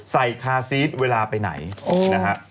คาซีสเวลาไปไหนนะฮะ